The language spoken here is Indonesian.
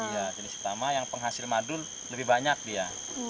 iya jenis itama yang penghasil madu lebih banyak dia